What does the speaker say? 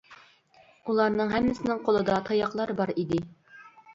ئۇلارنىڭ ھەممىسىنىڭ قولىدا تاياقلار بار ئىدى.